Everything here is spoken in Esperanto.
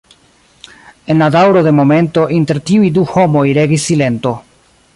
En la daŭro de momento inter tiuj du homoj regis silento.